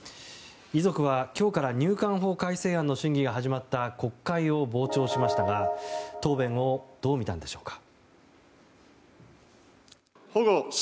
遺族は今日から入管法改正案の審議が始まった国会を傍聴しましたが答弁をどう見たのでしょうか。